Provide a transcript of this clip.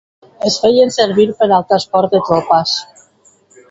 Es feien servir per al transport de tropes.